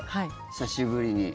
久しぶりに。